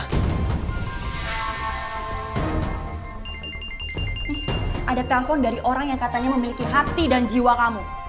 ada telpon dari orang yang katanya memiliki hati dan jiwa kamu